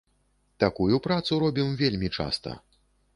Такую працу робім вельмі часта.